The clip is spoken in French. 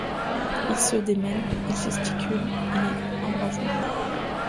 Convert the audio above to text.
Il se démène, il gesticule, il est embrasé.